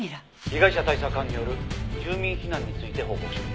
「被害者対策班による住民避難について報告しろ」